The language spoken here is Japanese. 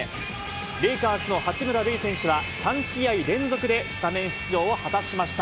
レイカーズの八村塁選手は、３試合連続でスタメン出場を果たしました。